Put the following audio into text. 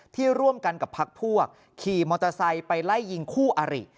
ที่ร่วมกันกับพักพวกขี่มอเตอร์ไซค์ไปไล่ยิงคู่อาริ